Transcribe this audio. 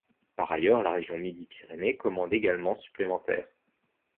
Par ailleurs, la région Midi-Pyrénées commande également supplémentaires.